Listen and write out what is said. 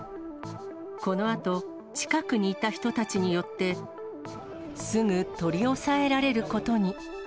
このあと、近くにいた人たちによってすぐ取り押さえられることに。